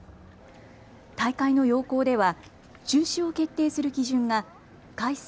大会の要項では中止を決定する基準が開催